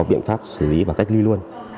viện pháp xử lý và cách ly luôn